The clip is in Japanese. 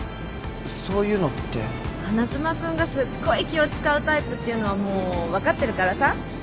花妻君がすっごい気を使うタイプっていうのはもう分かってるからさ。